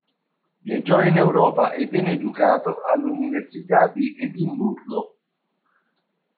Viaggiò in Europa e venne educato all'Università di Edimburgo.